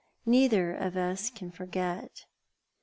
Neither of us can forget."